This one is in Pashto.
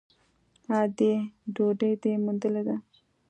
_ادې ! ډوډۍ دې موندلې ده؟